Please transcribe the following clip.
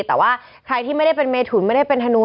แต่ว่าใครที่ไม่ได้เป็นเมถุนไม่ได้เป็นธนู